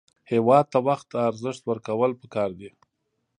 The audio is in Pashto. هېواد ته وخت ته ارزښت ورکول پکار دي